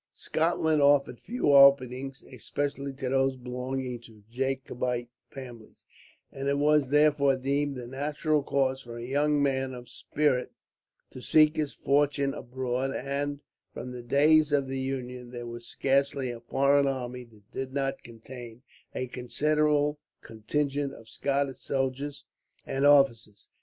Scotland offered few openings, especially to those belonging to Jacobite families; and it was therefore deemed the natural course, for a young man of spirit, to seek his fortune abroad and, from the days of the Union, there was scarcely a foreign army that did not contain a considerable contingent of Scottish soldiers and officers.